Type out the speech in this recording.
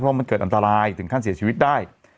เพราะมันเกิดอันตรายถึงขั้นเสียชีวิตได้